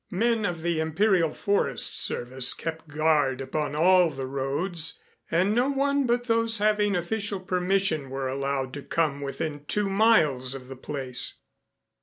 Men of the Imperial Forest Service kept guard upon all the roads, and no one but those having official permission were allowed to come within two miles of the place.